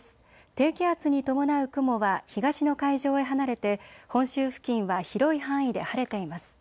低気圧に伴う雲は東の海上へ離れて本州付近は広い範囲で晴れています。